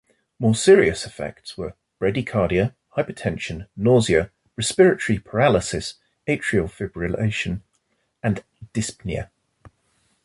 More serious effects were bradycardia, hypotension, nausea, respiratory paralysis, atrial fibrillation and dyspnea.